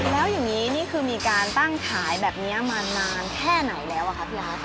แล้วอย่างนี้นี่คือมีการตั้งขายแบบนี้มานานแค่ไหนแล้วอะครับพี่ฮัส